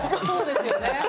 そうですよね。